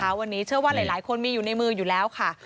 กับเรากันก่อนฉบับเช้าวันนี้เชื่อว่าหลายคนมีอยู่ในมืออยู่แล้วค่ะ